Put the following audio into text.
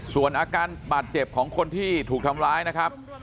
ส่วนอาการบาดเจ็บของคนที่ถูกทำร้ายนะครับ